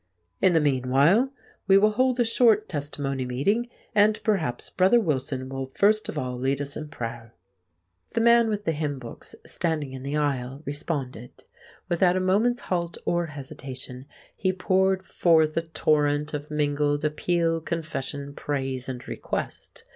"In the meanwhile, we will hold a short Testimony meeting; and perhaps Brother Wilson will first of all lead us in prayer." The man with the hymn books, standing in the aisle, responded. Without a moment's halt or hesitation he poured forth a torrent of mingled appeal, confession, praise and request.